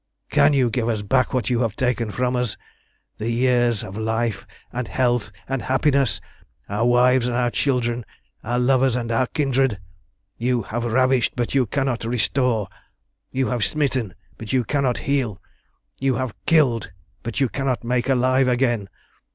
"Can you give us back what you have taken from us the years of life and health and happiness, our wives and our children, our lovers and our kindred? You have ravished, but you cannot restore. You have smitten, but you cannot heal. You have killed, but you cannot make alive again.